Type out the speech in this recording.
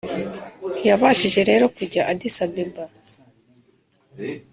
ntiyabashije rero kujya addis-abeba.